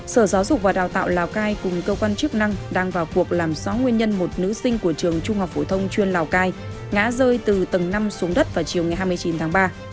sở giáo dục và đào tạo lào cai cùng cơ quan chức năng đang vào cuộc làm rõ nguyên nhân một nữ sinh của trường trung học phổ thông chuyên lào cai ngã rơi từ tầng năm xuống đất vào chiều ngày hai mươi chín tháng ba